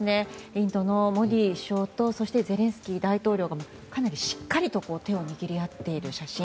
インドのモディ首相とそしてゼレンスキー大統領がかなりしっかりと手を握り合っている写真。